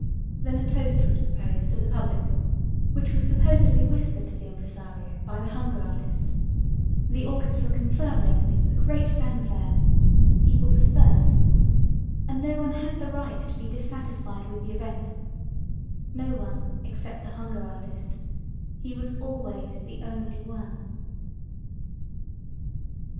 Then a toast was proposed to the public, which was supposedly whispered to the impresario by the hunger artist, the orchestra confirmed everything with a great fanfare, people dispersed, and no one had the right to be dissatisfied with the event, no one except the hunger artist—he was always the only one.